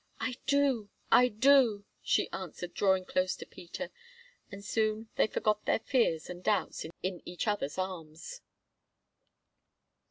"I do—I do," she answered, drawing close to Peter, and soon they forgot their fears and doubts in each other's arms.